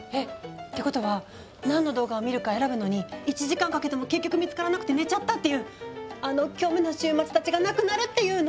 ってことは何の動画を見るか選ぶのに１時間かけても結局見つからなくて寝ちゃったっていうあの虚無の週末たちがなくなるっていうの？